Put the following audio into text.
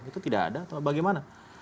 itu tidak ada atau bagaimana